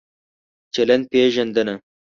چلند پېژندنه